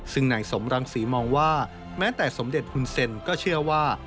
ซึ่งนายสมรังศรีมองว่าแม้แต่สมเด็จหุ่นเซ็นก็เชื่อว่า